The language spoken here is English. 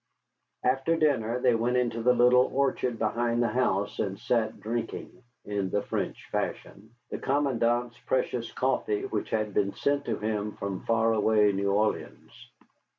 After dinner they went into the little orchard behind the house and sat drinking (in the French fashion) the commandant's precious coffee which had been sent to him from far away New Orleans.